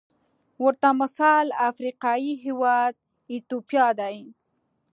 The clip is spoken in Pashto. ورته مثال افریقايي هېواد ایتوپیا دی.